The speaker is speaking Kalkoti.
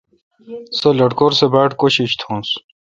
سو لٹکور سہ باڑ کوشش تھنوس۔